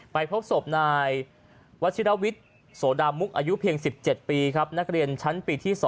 พบศพนายวัชิรวิทย์โสดามุกอายุเพียง๑๗ปีครับนักเรียนชั้นปีที่๒